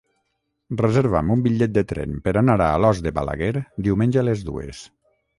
Reserva'm un bitllet de tren per anar a Alòs de Balaguer diumenge a les dues.